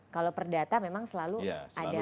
kalau perdata memang selalu ada